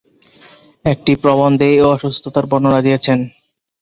একটি প্রবন্ধে এই অসুস্থতার বর্ণনা দিয়েছেন।